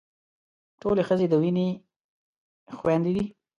ټولې ښځې د وينې خويندې دي.